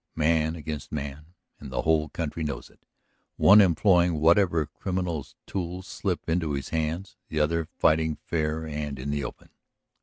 "Man against man, and the whole county knows it, one employing whatever criminal's tools slip into his hands, the other fighting fair and in the open.